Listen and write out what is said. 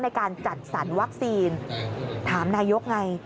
ในการจัดสรรวัคซีนถามนายกไง